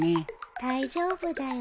大丈夫だよ。